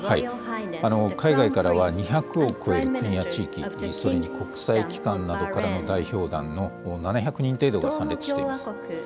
海外からは２００を超える国や地域、それに国際機関などからの代表団の７００人程度が参列しています。